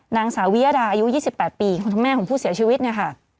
นางสาววิยดาอายุ๒๘ปีคุณแม่ของผู้เสียชีวิตเนี่ยค่ะ